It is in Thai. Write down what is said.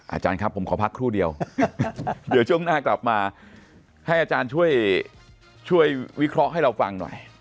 อาจารย์ครับผมขอพักครู่เดียวเดี๋ยวช่วงหน้ากลับมาให้อาจารย์ช่วยวิเคราะห์ให้เราฟังหน่อย